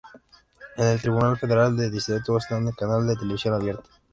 En el Tribunal Federal de Distrito está en el canal de televisión abierta.